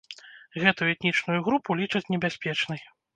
Гэтую этнічную групу лічаць небяспечнай.